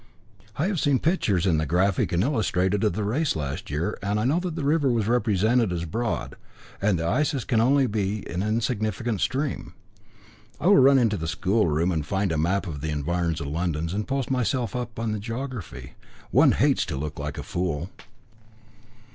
I have seen pictures in the Graphic and Illustrated of the race last year, and I know the river was represented as broad, and the Isis can only be an insignificant stream. I will run into the schoolroom and find a map of the environs of London and post myself up in the geography. One hates to look like a fool."